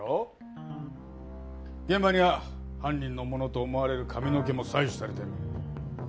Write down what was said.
現場では犯人のものと思われる髪の毛も採取されてる。